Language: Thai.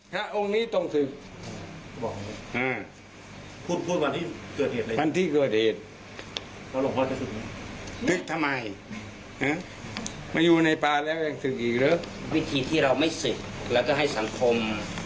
หลวงตามากขึ้นหลวงตาต้องทำยังไงรู้ไหม